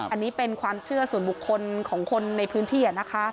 อันนี้เป็นความเชื่อส่วนบุคคลของคนในพื้นที่นะคะ